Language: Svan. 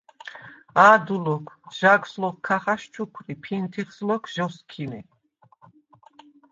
“ა̄დუ ლოქ, ჟაგს ლოქ ქა ხაშჩუქვრი, ფინთიხს ლოქ ჟ’ოსქიმე”.